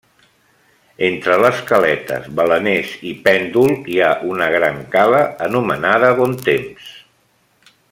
Entre les caletes Baleners i Pèndol hi ha una gran cala anomenada Bon Temps.